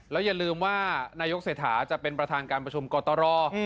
แล้วอย่าลืมว่านายกเศรษฐาจะเป็นประธานการประชุมกตร